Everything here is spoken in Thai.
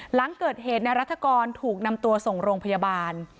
หลังเกิดเหตุนายรัฐกรถูกนำตัวส่งโรงพยาบาล